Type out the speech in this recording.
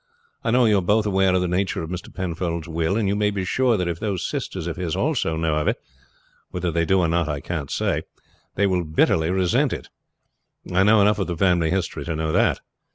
I know you are both aware of the nature of Mr. Penfold's will, and you may be sure that if those sisters of his also know of it whether they do or not I can't say they will bitterly resent it. I know enough of the family history to know that.